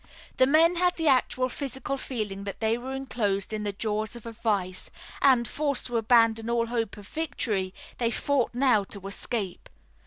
The men had the actual physical feeling that they were enclosed in the jaws of a vise, and, forced to abandon all hope of victory, they fought now to escape.